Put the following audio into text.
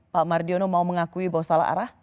pak mardiono mau mengakui bahwa salah arah